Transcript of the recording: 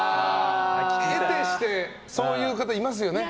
得てして、そういう方いますよね。